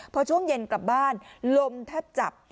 พอช่วงเย็นกลับบ้านลมแทบจับ